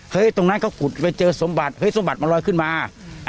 ตรงนั้นเขาขุดไปเจอสมบัติเฮ้ยสมบัติมันลอยขึ้นมา